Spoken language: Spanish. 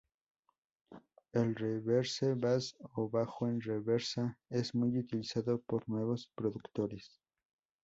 El reverse bass o bajo en reversa es muy utilizado por nuevos productores.